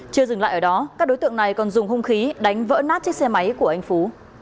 chưa dừng lại ở đó các đối tượng này còn dùng hung khí đánh vỡ nát chiếc xe máy của anh phú